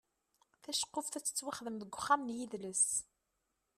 Taceqquft ad tettwaxdem deg uxxam n yidles.